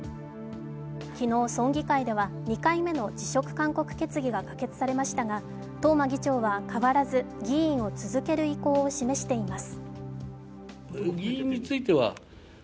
昨日、村議会では２回目の辞職勧告決議が可決されましたが、東間議長は変わらず議員を続ける意向を示しています。